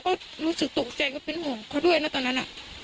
ก็รู้สึกตกใจกับเป็นห่วงเพื่อด้วยนะโตะนั้นอ่ะ